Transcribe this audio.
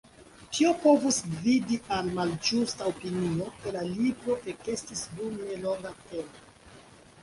Tio povus gvidi al malĝusta opinio, ke la libro ekestis dum nelonga tempo.